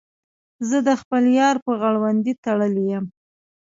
زه د خپل یار په غړوندي تړلی یم.